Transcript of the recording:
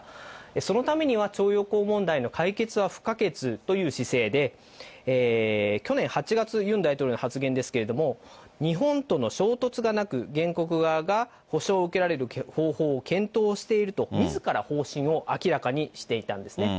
そのためには徴用工問題の解決は不可欠という姿勢で、去年８月、ユン大統領の発言ですけれども、日本との衝突がなく、原告側が補償を受けられる方法を検討していると、みずから方針を明らかにしていたんですね。